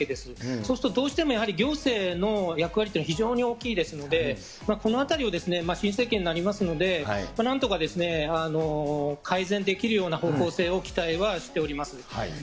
そうすると、どうしてもやはり行政の役割というのは非常に大きいですので、このあたりを、新政権になりますので、なんとか改善できるような方向性を期待はしております。